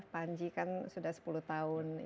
panji kan sudah sepuluh tahun